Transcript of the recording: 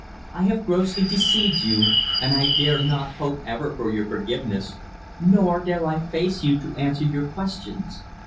I have grossly deceived you, and I dare not hope ever for your forgiveness, nor dare I face you to answer your questions.